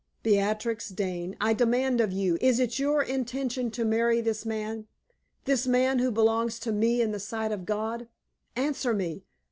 Beatrix Dane, I demand of you, is it your intention to marry this man this man who belongs to me in the sight of God? Answer me!